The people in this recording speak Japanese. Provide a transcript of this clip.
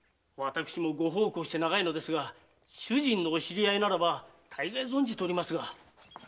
私もご奉公して長いのですが主人のお知り合いならばたいがい存じておりますが。